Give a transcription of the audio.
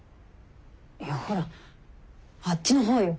いやほらあっちの方よ。